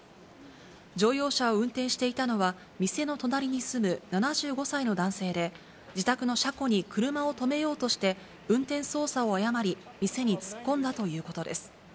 乗用車を運転していたのは、店の隣に住む７５歳の男性で、自宅の車庫に車を止めようとして、運転操作を誤り、店に突っ込んだということです。